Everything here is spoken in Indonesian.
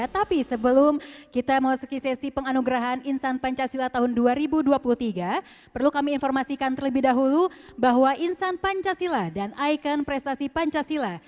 tapi sebelum kita memasuki sesi penganugerahan insan pancasila tahun dua ribu dua puluh tiga perlu kami informasikan terlebih dahulu bahwa insan pancasila dan ikon prestasi pancasila